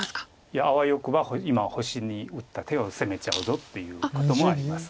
いやあわよくば今星に打った手を攻めちゃうぞということもあります。